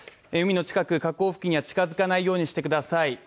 海の近く、河口には近付かないようにしてください。